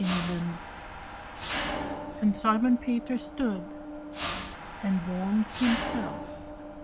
TELL PETER _And Simon Peter stood and warmed himself.